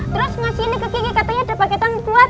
terus ngasih ini ke kiki katanya ada paketan buat ibu rasa